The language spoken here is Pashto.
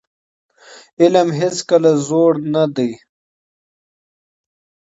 علم هيڅکله زوړ نه دی.